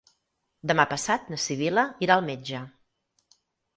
Demà passat na Sibil·la irà al metge.